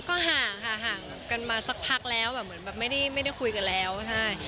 ก็ห่างค่ะห่างกันมาสักพักแล้วแบบเหมือนแบบไม่ได้คุยกันแล้วใช่